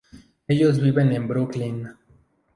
Ellos viven en Brooklyn.